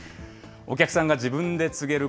お客さんが自分でつげる